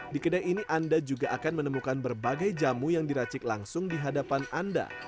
di kedai ini anda juga akan menemukan berbagai jamu yang diracik langsung di hadapan anda